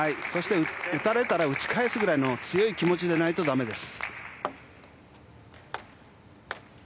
打たれたら打ち返すぐらいの強い気持ちでないとだめです。